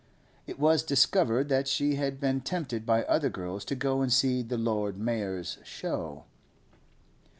It was discovered that she had been tempted by other girls to go and see the Lord Mayor's show.